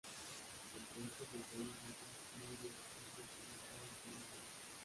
Entre estos ensayos no se incluye uno publicado anteriormente.